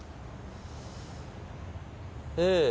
ええ。